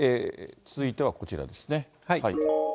続いてはこちらですね。